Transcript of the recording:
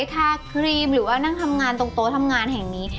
คาครีมหรือว่านั่งทำงานตรงโต๊ะทำงานแห่งนี้